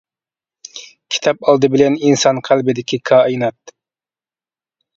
كىتاب ئالدى بىلەن ئىنسان قەلبىدىكى كائىنات.